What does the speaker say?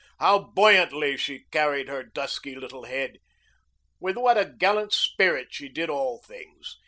How buoyantly she carried her dusky little head! With what a gallant spirit she did all things!